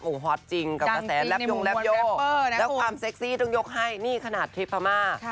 โอ้ฮอตจริงกับประแสรับโยรับโยแล้วความเซ็กซี่ต้องยกให้นี่ขนาดเทพภามา